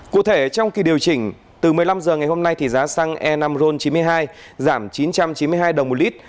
cụ thể trong kỳ điều chỉnh từ một mươi năm h ngày hôm nay thì giá xăng e năm ron chín mươi hai giảm chín trăm chín mươi hai đồng một lít